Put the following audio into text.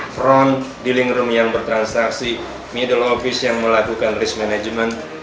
front dealing room yang bertransaksi middle office yang melakukan risk management